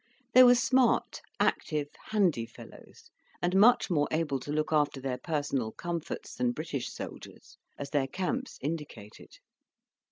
They were smart, active, handy fellows, and much more able to look after their personal comforts than British soldiers, as their camps indicated.